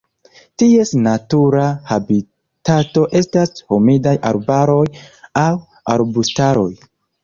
Ties natura habitato estas humidaj arbaroj aŭ arbustaroj.